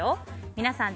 皆さん